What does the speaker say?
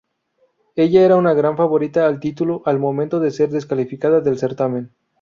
Ella era una gran favorita al título al momento de ser descalificada del certamen.